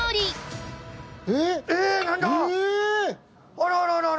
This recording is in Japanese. あらららら。